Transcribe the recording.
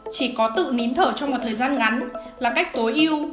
chỉ có tự nín thở trong một thời gian ngắn là cách tối yêu